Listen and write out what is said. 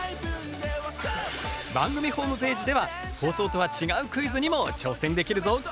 番組ホームページでは放送とは違うクイズにも挑戦できるぞ。